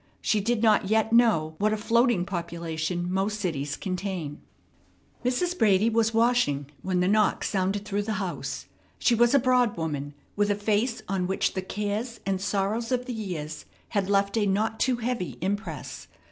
She did not yet know what a floating population most cities contain. Mrs. Brady was washing when the knock sounded through the house. She was a broad woman, with a face on which the cares and sorrows of the years had left a not too heavy impress.